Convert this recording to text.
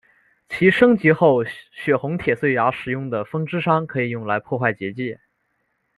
其升级后血红铁碎牙使出的风之伤可以用来破坏结界。